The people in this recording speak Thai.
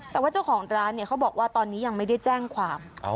แต่ว่าเจ้าของร้านเนี่ยเขาบอกว่าตอนนี้ยังไม่ได้แจ้งความ